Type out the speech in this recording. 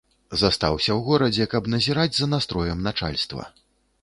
Застаўся ў горадзе, каб назіраць за настроем начальства.